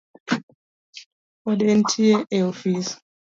Pod entie e ofis?